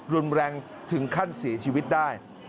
รุนแรงถึงขั้นเสียชีวิตได้